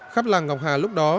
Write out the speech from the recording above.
khắp làng ngọc hà lúc đó